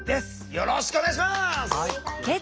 よろしくお願いします。